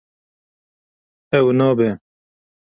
Ew nabe.